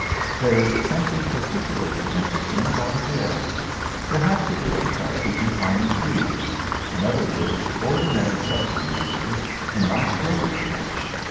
There is something particularly interesting about a bear. Perhaps it is because he can climb a tree. In other words, ordinary subterfuges do not go with him.